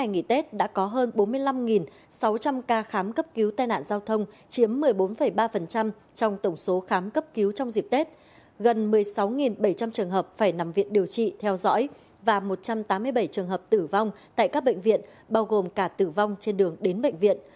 gần một mươi sáu bảy trăm linh trường hợp phải nằm viện điều trị theo dõi và một trăm tám mươi bảy trường hợp tử vong tại các bệnh viện bao gồm cả tử vong trên đường đến bệnh viện